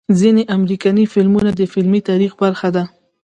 ځنې امريکني فلمونه د فلمي تاريخ برخه ده